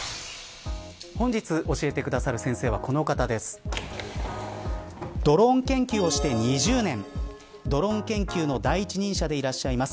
本日教えてくださる先生はこのお方です。